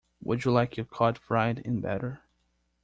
Would you like your cod fried in batter?